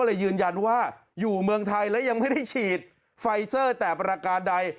เลยยืนยันว่าอยู่เมืองไทยและยังไม่ได้ฉีดไฟเซอร์แต่ประการใด